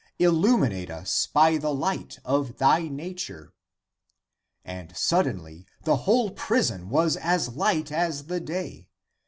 Illuminate us by the light of thy nature !" And suddenly the whole prison was as light as the day.